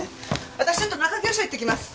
私ちょっと中京署行ってきます。